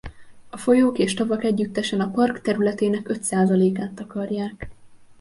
A folyók és tavak együttesen a park területének öt százalékát takarják.